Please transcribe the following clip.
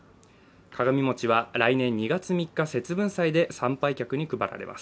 鏡餅は来年２月３日節分祭で参拝客に配られる予定です。